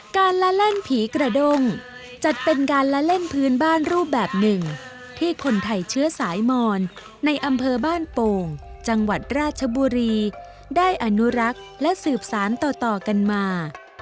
การละเล่นผีกระด้งจัดเป็นการละเล่นพื้นบ้านรูปแบบหนึ่งที่คนไทยเชื้อสายมอนในอำเภอบ้านโป่งจังหวัดราชบุรีได้อนุรักษ์และสืบสารต่อกันมา